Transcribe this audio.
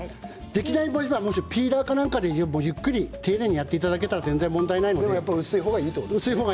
できない場合はピーラーなんかでゆっくり丁寧にやっていただけたら全然問題ないので薄い方がいいです。